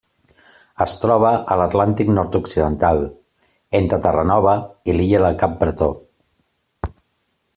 Es troba a l'Atlàntic nord-occidental: entre Terranova i l'illa del Cap Bretó.